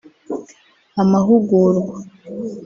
amahugurwa